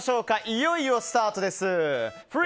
いよいよスタートです。